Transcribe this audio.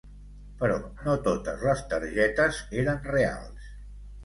Però no totes les targetes eren reals.